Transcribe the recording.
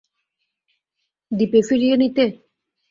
দ্বীপে ফিরিয়ে নিতে?